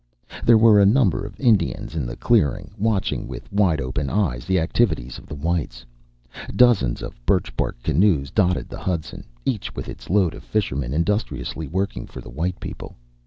There were a number of Indians in the clearing, watching with wide open eyes the activities of the whites. Dozens of birch bark canoes dotted the Hudson, each with its load of fishermen, industriously working for the white people.